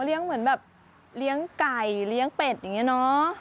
เหมือนแบบเลี้ยงไก่เลี้ยงเป็ดอย่างนี้เนาะ